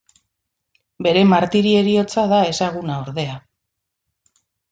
Bere martiri heriotza da ezaguna, ordea.